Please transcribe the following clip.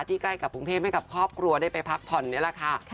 ใกล้กับกรุงเทพให้กับครอบครัวได้ไปพักผ่อนนี่แหละค่ะ